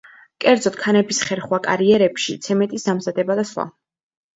კერძოდ ქანების ხერხვა კარიერებში, ცემენტის დამზადება და სხვა.